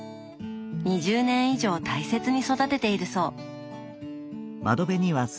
２０年以上大切に育てているそう。